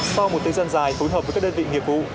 sau một thời gian dài phối hợp với các đơn vị nghiệp vụ